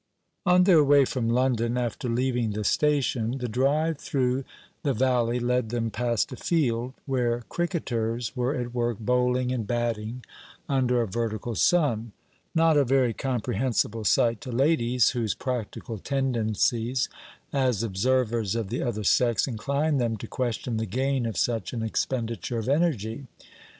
On their way from London, after leaving the station, the drive through the valley led them past a field, where cricketers were at work bowling and batting under a vertical sun: not a very comprehensible sight to ladies, whose practical tendencies, as observers of the other sex, incline them to question the gain of such an expenditure of energy.